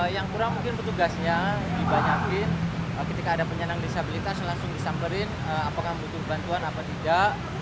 yang kurang mungkin petugasnya dibanyakin ketika ada penyandang disabilitas langsung disamperin apakah butuh bantuan apa tidak